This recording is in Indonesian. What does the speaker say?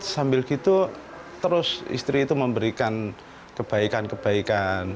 sambil gitu terus istri itu memberikan kebaikan kebaikan